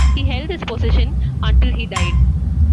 He held this position until he died.